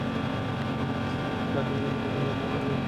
জ্বি, উনি platinum eagle level donor এই ক্যাম্পেইনে।